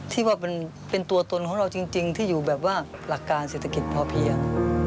ที่ว่าเป็นตัวตนของเราจริงที่อยู่แบบว่าหลักการเศรษฐกิจพอเพียง